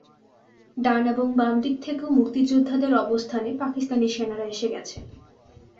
ডান এবং বাম দিক থেকেও মুক্তিযোদ্ধাদের অবস্থানে পাকিস্তানি সেনারা এসে গেছে।